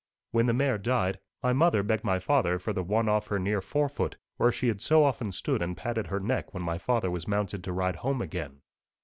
'When the mare died, my mother begged my father for the one off her near forefoot, where she had so often stood and patted her neck when my father was mounted to ride home again.